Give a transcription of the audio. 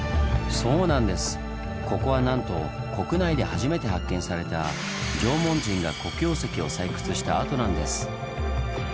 ここはなんと国内で初めて発見された縄文人が黒曜石を採掘した跡なんです。